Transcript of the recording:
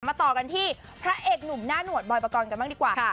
ต่อกันที่พระเอกหนุ่มหน้าหนวดบอยปกรณ์กันบ้างดีกว่า